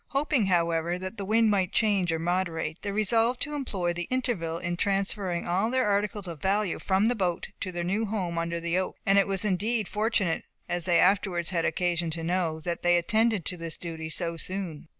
Hoping, however, that the wind might change or moderate, they resolved to employ the interval in transferring all their articles of value from the boat, to their new home under the oak. And it was indeed fortunate, as they afterwards had occasion to know, that they attended to this duty so soon.